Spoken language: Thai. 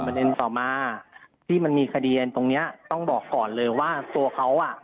ต่อมาที่มันมีคดีตรงเนี้ยต้องบอกก่อนเลยว่าตัวเขาอ่ะ